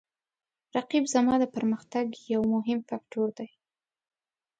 رقیب زما د پرمختګ یو مهم فکتور دی